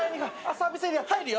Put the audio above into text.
サービスエリア入るよ。